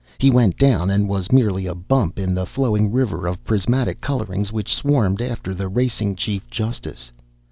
He went down and was merely a bump in the flowing river of prismatic colorings which swarmed after the racing chief justice.